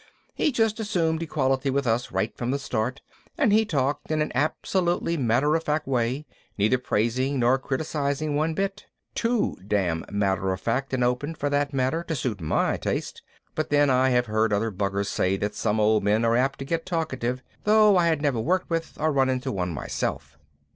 He just assumed equality with us right from the start and he talked in an absolutely matter of fact way, neither praising nor criticizing one bit too damn matter of fact and open, for that matter, to suit my taste, but then I have heard other buggers say that some old men are apt to get talkative, though I had never worked with or run into one myself.